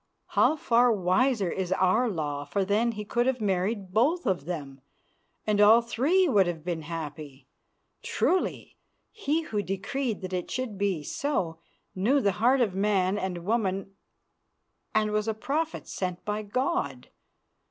How far wiser is our law, for then he could have married both of them, and all three would have been happy. Truly he who decreed that it should be so knew the heart of man and woman and was a prophet sent by God.